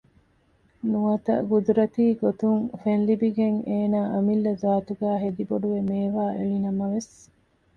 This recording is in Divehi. ނުވަތަ ގުދުރަތީގޮތުން ފެންލިބިގެން އޭގެ އަމިއްލަ ޒާތުގައި ހެދިބޮޑުވެ މޭވާއެޅިނަމަވެސް